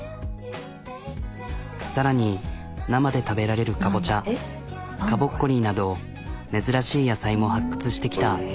さらに生で食べられるかぼちゃなど珍しい野菜も発掘してきた。